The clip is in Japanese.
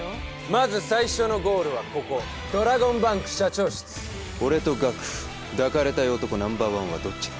まず最初のゴールはここドラゴンバンク社長室俺とガク抱かれたい男Ｎｏ．１はどっちだ？